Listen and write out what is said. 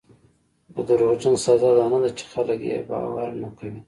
د دروغجن سزا دا نه ده چې خلک یې باور نه کوي.